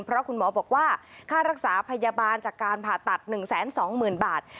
เพราะคุณหมอบอกว่าค่ารักษาพยาบาลจากการผ่าตัด๑๒๐๐๐บาท